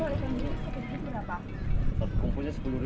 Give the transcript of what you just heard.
ini dua orang yang jual sepuluh ribu berapa